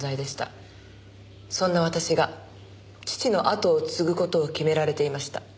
そんな私が父のあとを継ぐ事を決められていました。